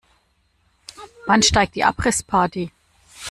Wann steigt die Abrissparty?